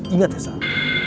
ingat ya sam